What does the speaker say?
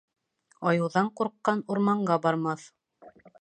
Айыуҙан ҡурҡҡан урманға бармаҫ.